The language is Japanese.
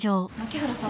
槇原さん